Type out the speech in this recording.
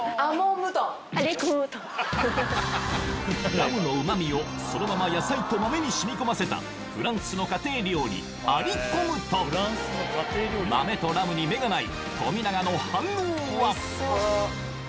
ラムのうま味をそのまま野菜と豆に染み込ませたフランスの家庭料理豆とラムに目がない冨永の反応は？